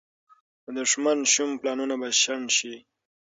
د دښمن شوم پلانونه به شنډ شي.